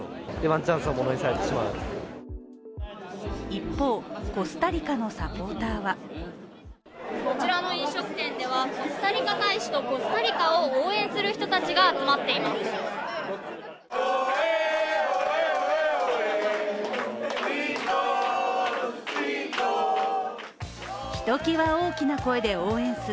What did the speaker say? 一方、コスタリカのサポーターはこちらの飲食店では、コスタリカ大使とコスタリカを応援する人が集まっています。